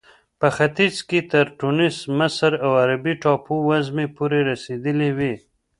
په ختیځ کې تر ټونس، مصر او عربي ټاپو وزمې پورې رسېدلې وې.